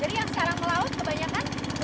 jadi yang sekarang melaut kebanyakan